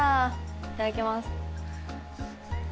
いただきます。